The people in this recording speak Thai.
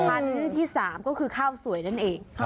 อันที่๓ก็คือข้าวสวยนั่นเอง